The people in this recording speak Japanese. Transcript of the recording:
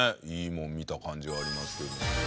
いいもん見た感じはありますけど。